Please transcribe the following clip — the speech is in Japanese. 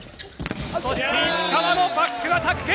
そして石川のバックアタック！